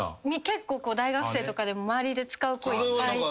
結構大学生とかでも周りで使う子いっぱいいて。